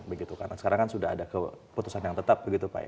karena sekarang kan sudah ada keputusan yang tetap